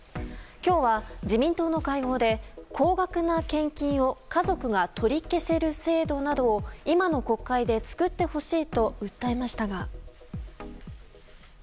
今日は自民党の会合で高額な献金を家族が取り消せる制度などを今の国会で作ってほしいと訴えましたが。